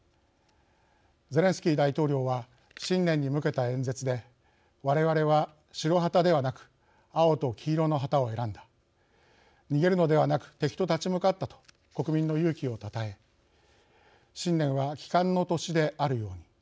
ゼレンスキー大統領は新年に向けた演説で「我々は白旗ではなく青と黄色の旗を選んだ。逃げるのではなく敵と立ち向かった」と国民の勇気をたたえ「新年は帰還の年であるように。